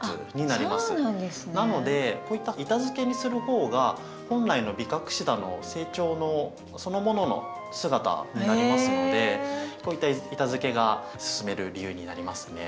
なのでこういった板づけにする方が本来のビカクシダの成長のそのものの姿になりますのでこういった板づけがすすめる理由になりますね。